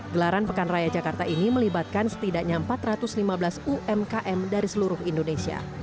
gelaran pekan raya jakarta ini melibatkan setidaknya empat ratus lima belas umkm dari seluruh indonesia